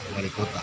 ada di kota